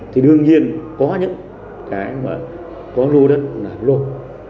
thì đương nhiên có những cái mà có lô đất là luôn